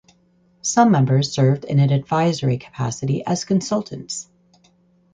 Some members served in an advisory capacity as consultants.